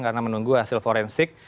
karena menunggu hasil forensik